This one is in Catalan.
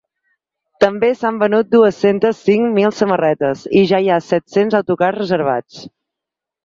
També s’han venut dues-centes cinc mil samarretes i ja hi ha set-cents autocars reservats.